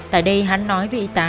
tại đây hắn nói với y tá